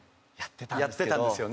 やってたんですけど。